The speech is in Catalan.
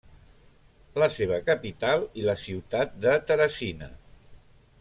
La seva capital i la ciutat de Teresina.